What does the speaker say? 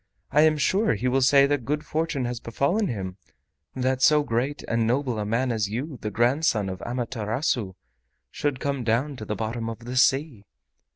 I am sure he will say that good fortune has befallen him, that so great and noble a man as you, the grandson of Amaterasu, should come down to the bottom of the sea."